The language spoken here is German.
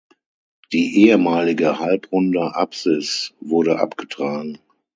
Die ehemalige halbrunde Apsis wurde abgetragen.